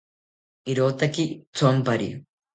Irotaki thonpari